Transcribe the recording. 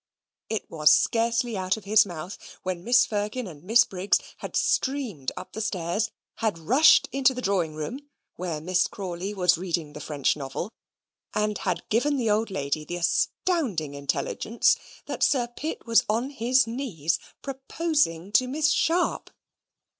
It was scarcely out of his mouth when Mrs. Firkin and Miss Briggs had streamed up the stairs, had rushed into the drawing room where Miss Crawley was reading the French novel, and had given that old lady the astounding intelligence that Sir Pitt was on his knees, proposing to Miss Sharp.